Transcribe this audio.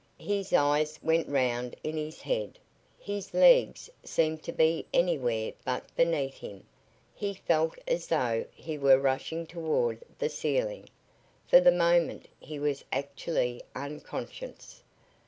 His eyes went round in his head, his legs seemed to be anywhere but beneath him, he felt as though he were rushing toward the ceiling. For the moment he was actually unconscious.